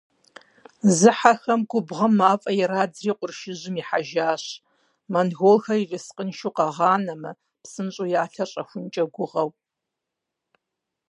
Зыхьэхэм губгъуэм мафӏэ ирадзри къуршым ихьэжащ, монголхэр ерыскъыншэу къагъэнэмэ, псынщӏэу я лъэр щӏэхункӏэ гугъэу.